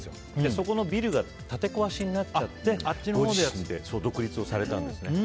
そこのビルが建て壊しになっちゃってご自身で独立をされたんですね。